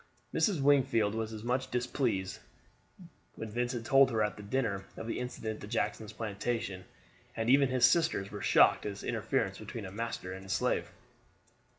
Mrs. Wingfield was much displeased when Vincent told her at dinner of his incident at Jackson's plantation and even his sisters were shocked at this interference between a master and his slave.